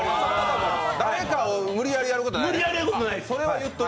誰かを無理矢理やることはない。